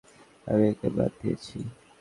আমি ওকে বাদ দিয়েছি।